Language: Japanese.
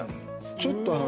ちょっとあの。